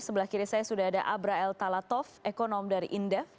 sebelah kiri saya sudah ada abrael talatov ekonom dari indef